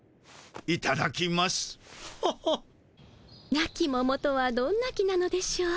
ナキモモとはどんな木なのでしょう。